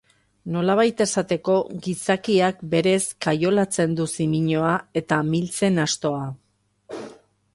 Nolabait esateko, gizakiak berez kaiolatzen du ziminoa eta amiltzen astoa.